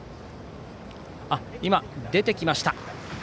今、出てきました。